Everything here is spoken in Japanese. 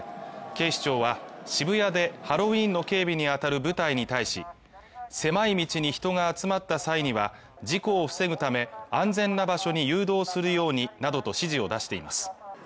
警視庁は渋谷でハロウィーンの警備にあたる部隊に対し狭い道に人が集まった際には事故を防ぐため安全な場所に誘導するようになどと指示を出しています